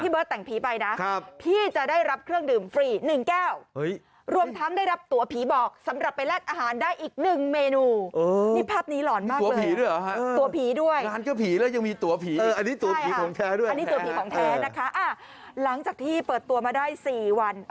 เพราะฉะนั้นเจ้าอาวาสก็เลยชวนเชิญ